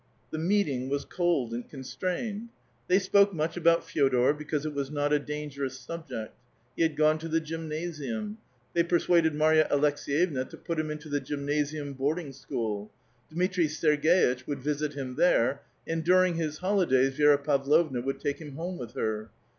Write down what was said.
The meeting was cold and constrained. They spoke much about Fe6dor, because it was not a dangerous subject. He had gone to the gymnasium ; they persuaded Marya Aleks^yevna to put him into the gymnasium boarding school. Dmitri Ser g^itch would visit him there, and during his holidays Vi^ra Pavlovna would take him home with her.